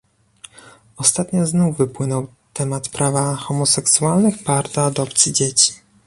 Ostatnio znów wypłynął temat prawa homoseksualnych par do adopcji dzieci